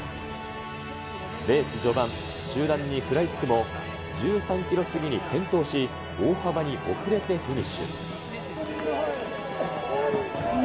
レース序盤、集団に食らいつくも、１３キロ過ぎに転倒し、大幅に遅れてフィニッシュ。